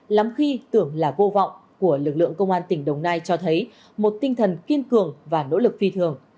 lắm khi tưởng là vô vọng của lực lượng công an tỉnh đồng nai cho thấy một tinh thần kiên cường và nỗ lực phi thường